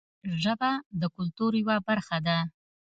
ژبه د کلتور یوه برخه ده